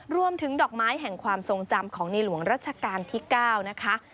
ดอกไม้แห่งความทรงจำของในหลวงรัชกาลที่๙นะคะ